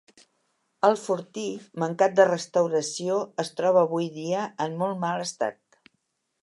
El fortí, mancat de restauració es troba avui dia en molt mal estat.